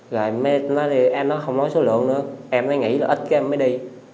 rồi em nói không nói số lượng nữa em mới nghĩ là ít em mới đi